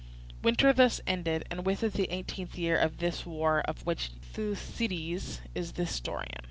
Winter thus ended, and with it the eighteenth year of this war of which Thucydides is the historian.